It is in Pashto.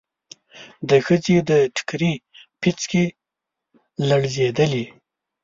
د ښځې د ټکري پيڅکې لړزېدلې.